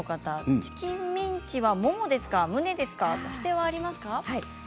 チキンミンチはもも肉ですか、むね肉ですか？